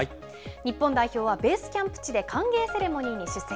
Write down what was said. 日本代表はベースキャンプ地で歓迎セレモニーに出席。